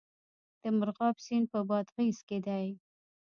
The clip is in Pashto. د مرغاب سیند په بادغیس کې دی